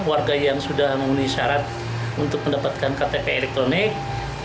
warga yang sudah memenuhi syarat untuk mendapatkan ktp elektronik